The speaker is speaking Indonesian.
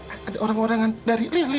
ada orang orang dari lili